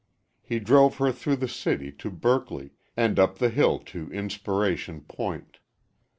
He drove her through the city to Berkeley and up the hill to Inspiration Point.